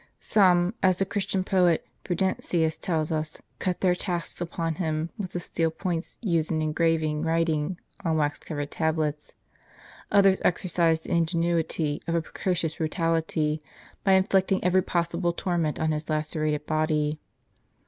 Some, as the Christian poet Prudentius tells us, cut their tasks upon him with the steel points used in engraving writ ing on wax covered tablets ; others exercised the ingenuity of a precocious brutality, by inflicting every possible torment on c ^ his lacerated body.